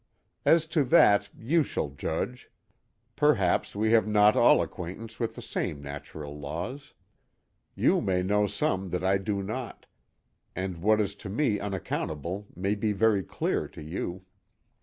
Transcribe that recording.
As to that you shall judge; perhaps we have not all acquaintance with the same natural laws. You may know some that I do not, and what is to me unaccountable may be very clear to you.